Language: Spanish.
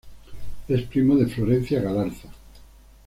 Es primo de Florencia Galarza.